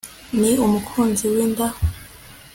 ni umukunzi w'inda